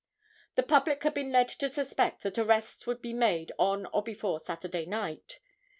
The public had been led to suspect that arrests would be made on or before Saturday night.